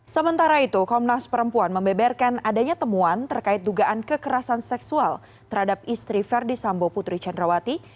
sementara itu komnas perempuan membeberkan adanya temuan terkait dugaan kekerasan seksual terhadap istri verdi sambo putri candrawati